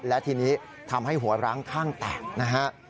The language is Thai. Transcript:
และทีนี้ทำให้หัวร้างข้างแตกนะฮะ